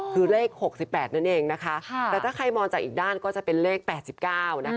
คือเลข๖๘นั่นเองนะคะแต่ถ้าใครมองจากอีกด้านก็จะเป็นเลข๘๙นะคะ